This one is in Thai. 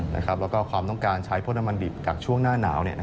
แล้วก็ความต้องการใช้พวกน้ำมันดิบจากช่วงหน้าหนาว